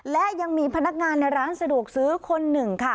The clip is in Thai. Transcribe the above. และยังมีพนักงานในร้านสะดวกซื้อคนหนึ่งค่ะ